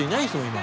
今。